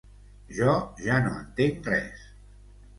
Jo ja no entenc res.